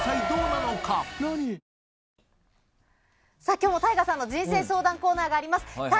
今日もＴＡＩＧＡさんの人生相談コーナーがあります。